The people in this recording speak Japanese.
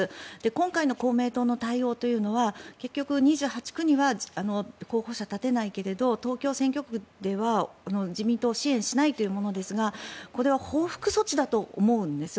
今回の公明党の対応というのは結局、２８区には候補者を立てないけれど東京選挙区では自民党を支援しないというものですがこれは報復措置だと思うんです。